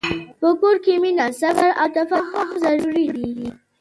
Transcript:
په کور کې مینه، صبر، او تفاهم ضرور دي.